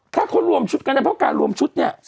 ถ้าเขารวมชุดกันเนี่ยเพราะการรวมชุดเนี่ย